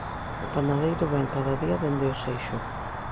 O panadeiro vén cada día dende o Seixo.